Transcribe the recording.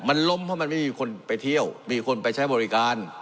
มันล้มเพราะมันไม่มีคนไปเที่ยวมีคนไปใช้บริการ